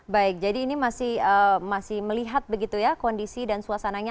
baik jadi ini masih melihat begitu ya kondisi dan suasananya